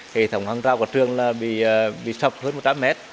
hệ thống hàng rào của trường là bị sập hơn một trăm linh mét